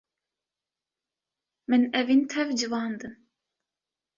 Min evîn tev civandin.